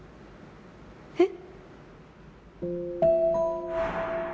えっ？